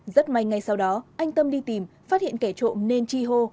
rất may ngay sau đó anh tâm đi tìm phát hiện kẻ trộm nên chi hô